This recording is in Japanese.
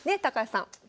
高橋さん。